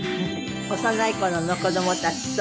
幼い頃の子供たちと。